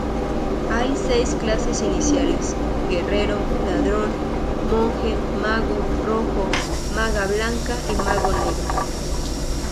Hay seis clases iniciales: Guerrero, Ladrón, Monje, Mago Rojo, Maga Blanca y Mago Negro.